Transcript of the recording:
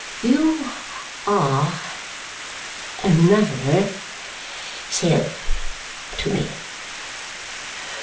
You are another self to me.